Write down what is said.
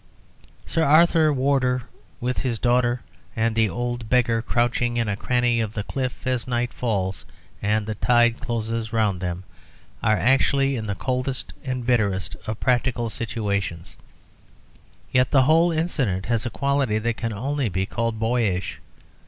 Sir Arthur Wardour, with his daughter and the old beggar crouching in a cranny of the cliff as night falls and the tide closes around them, are actually in the coldest and bitterest of practical situations. Yet the whole incident has a quality that can only be called boyish.